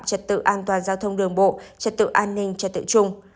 trật tự an toàn giao thông đường bộ trật tự an ninh trật tự trung